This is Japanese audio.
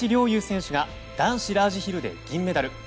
侑選手が男子ラージヒルで銀メダル。